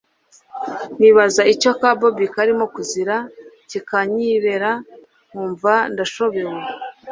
nkibaza icyo ka bobi karimo kuzira kikanyibera nkumva ndashobewe